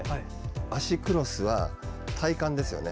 脚クロスは体幹ですよね